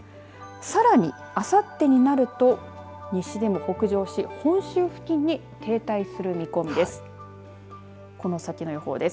さらに、あさってになると西でも北上し本州付近に停滞する見込みです。